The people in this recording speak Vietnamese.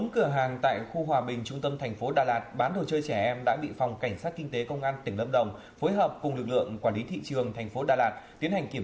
các bạn hãy đăng ký kênh để ủng hộ kênh của chúng mình nhé